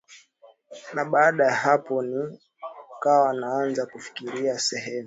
Na baada ya hapo nikawa naanza kufikiria sehemu